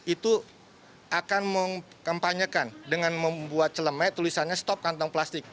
itu akan mengkampanyekan dengan membuat celeme tulisannya stop kantong plastik